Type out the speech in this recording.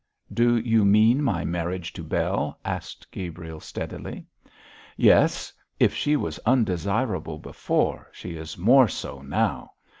'Do you mean my marriage to Bell?' asked Gabriel, steadily. 'Yes! If she was undesirable before, she is more so now.